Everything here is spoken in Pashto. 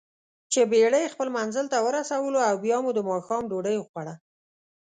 چې بېړۍ خپل منزل ته ورسولواو بیا مو دماښام ډوډۍ وخوړه.